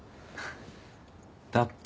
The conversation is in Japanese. だって。